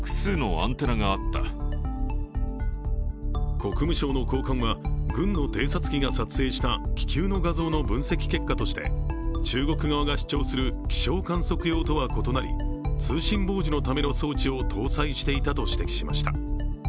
国務省の高官は軍の偵察機が撮影した気球の画像の分析結果として、中国側が主張する気象観測用とは異なり通信傍受のための装置を搭載していたと指摘しました。